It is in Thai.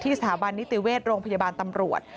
สถาบันนิติเวชโรงพยาบาลตำรวจ